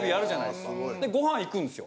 でご飯行くんですよ。